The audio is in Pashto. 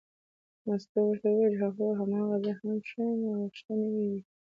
مستو ورته وویل هو هماغه زه هم ښیمه غوښتنې یې وې.